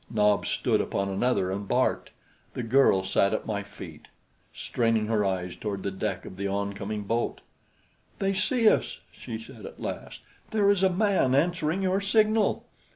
Nobs stood upon another and barked. The girl sat at my feet straining her eyes toward the deck of the oncoming boat. "They see us," she said at last. "There is a man answering your signal."